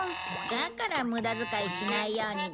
だから無駄遣いしないように大事に。